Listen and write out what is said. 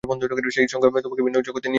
সেই সংখ্যা তোমাকে ভিন্ন এক জগতে নিয়ে যায়।